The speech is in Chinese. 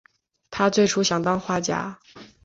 他最初想当画家。